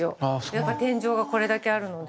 やっぱ天井がこれだけあるので。